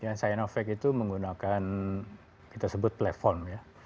ya sinovac itu menggunakan kita sebut platform ya